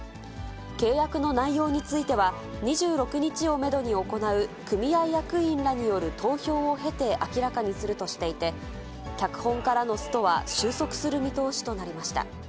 契約の内容については、２６日をメドに行う組合役員らによる投票を経て明らかにするとしていて、脚本家らのストは収束する見通しとなりました。